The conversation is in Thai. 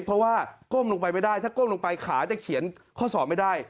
เพราะว่าก้มลงไปไม่ได้ถ้าก้มลงไปขาจะเขียนข้อสอบไม่ได้